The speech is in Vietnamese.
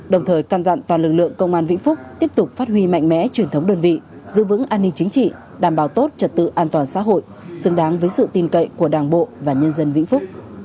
đồng thời can dặn toàn lực lượng công an vĩnh phúc tiếp tục phát huy mạnh mẽ truyền thống đơn vị giữ vững an ninh chính trị đảm bảo tốt trật tự an toàn xã hội xứng đáng với sự tin cậy của đảng bộ và nhân dân vĩnh phúc